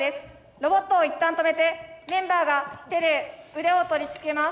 ロボットを一旦止めてメンバーが手で腕を取り付けます。